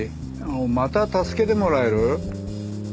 また助けてもらえる？